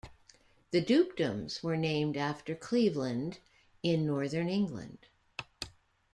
The dukedoms were named after Cleveland in northern England.